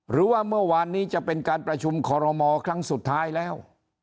หรือว่าเมื่อวานนี้จะเป็นการประชุมคอรมอครั้งสุดท้ายแล้ว